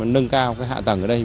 nâng cao hạ tầng ở đây